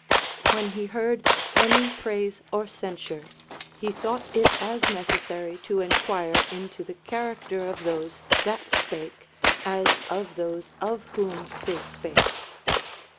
When he heard any praise or censure, he thought it as necessary to enquire into the character of those that spake as of those of whom they spake.